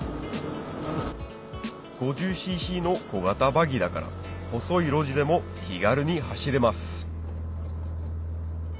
５０ｃｃの小型バギーだから細い路地でも気軽に走れます